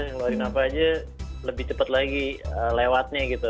ngeluarin apa aja lebih cepat lagi lewatnya gitu